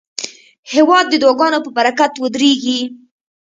هېواد د دعاګانو په برکت ودریږي.